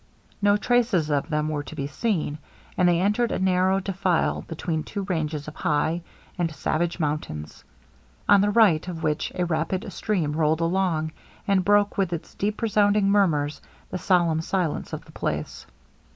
No traces of them were to be seen, and they entered a narrow defile between two ranges of high and savage mountains; on the right of which a rapid stream rolled along, and broke with its deep resounding murmurs the solemn silence of the place.